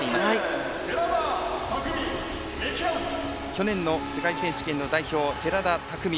去年の世界選手権の代表寺田拓未。